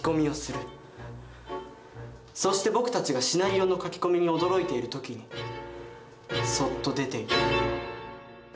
そして僕たちがシナリオの書き込みに驚いている時にそっと出ていく。